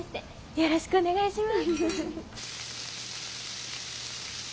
よろしくお願いします。